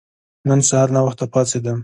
نن سهار ناوخته پاڅیدم.